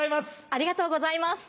ありがとうございます。